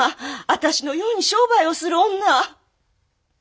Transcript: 私のように商売をする女。